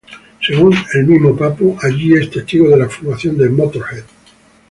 Según el mismo Pappo allí es testigo de la formación de Motörhead.